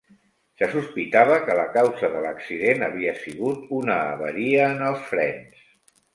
Se sospitava que la causa de l'accident havia sigut una avaria en els frens.